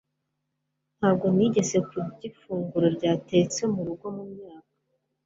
Ntabwo nigeze kurya ifunguro ryatetse murugo mumyaka.